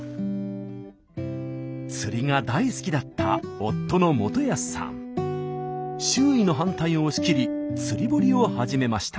釣りが大好きだった周囲の反対を押し切り釣り堀を始めました。